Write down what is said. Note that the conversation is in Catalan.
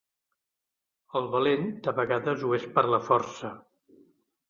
El valent de vegades ho és per la força.